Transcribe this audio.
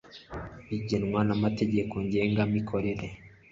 bigenwa n amategeko ngenga mikorere